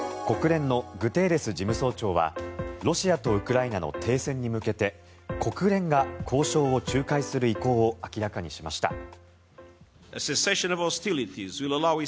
国連のグテーレス事務総長はロシアとウクライナの停戦に向けて国連が交渉を仲介する意向を明らかにしました。